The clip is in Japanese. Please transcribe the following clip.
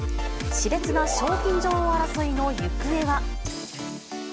しれつな賞金女王争いの行方は。